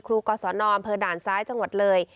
ครูกษอนอมเผอร์ด่านซ้ายจังหวัดเลย